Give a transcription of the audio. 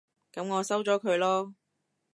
噉我收咗佢囉